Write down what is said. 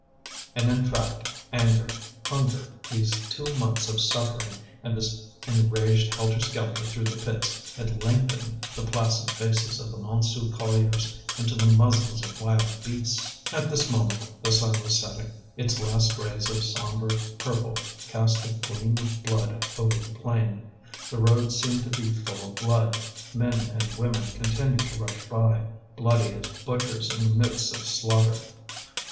And in fact anger, hunger, these two months of suffering and this enraged helter skelter through the pits had lengthened the placid faces of the Montsou colliers into the muzzles of wild beasts. At this moment the sun was setting; its last rays of sombre purple cast a gleam of blood over the plain. The road seemed to be full of blood; men and women continued to rush by, bloody as butchers in the midst of slaughter.